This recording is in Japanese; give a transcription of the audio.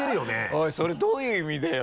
おいそれどういう意味だよ。